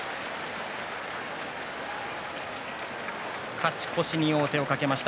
勝ち越しに王手をかけました